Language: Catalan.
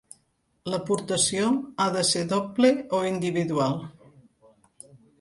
L'aportació ha de ser doble o individual?